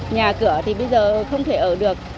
nhà cửa thì bây giờ không thể ở được